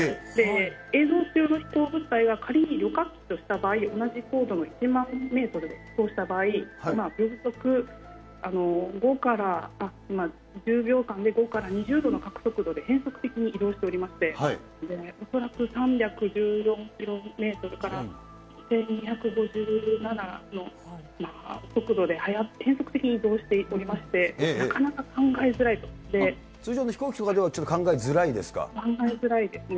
映像上の飛行物体が仮に旅客機とした場合、同じ高度の１万メートルで飛行した場合、原則１０秒間で５から２０度の角速度で変則的に移動しておりまして、恐らく３１４キロメートルから、１２５７の速度で変則的に移動しておりまして、なかなか考えづら通常の飛行機とかでは考えづ考えづらいですね。